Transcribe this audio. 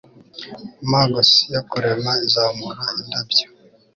magus yo kurema izamura indabyo